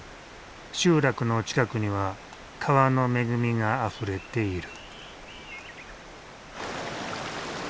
集落の近くには川の恵みがあふれている。